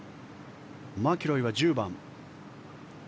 マキロイは１０番。